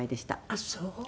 あっそう。